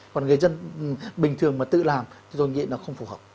còn người dân bình thường mà tự làm thì tôi nghĩ nó không phù hợp